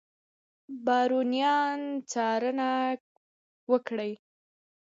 بارونیان څارنه وکړي.